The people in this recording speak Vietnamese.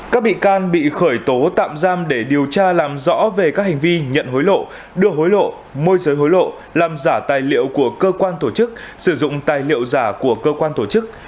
các bị can bị khởi tố tạm giam để điều tra làm rõ về các hành vi nhận hối lộ đưa hối lộ môi giới hối lộ làm giả tài liệu của cơ quan tổ chức sử dụng tài liệu giả của cơ quan tổ chức